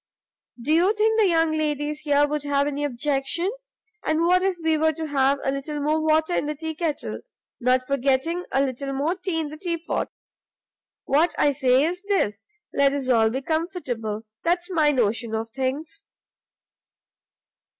do you think the young ladies here would have any objection? and what if we were to have a little more water in the tea kettle? not forgetting a little more tea in the teapot. What I say is this, let us all be comfortable; that's my notion of things."